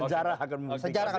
sejarah akan membuktikan